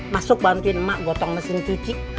masuk bantuin emak gotong mesin cuci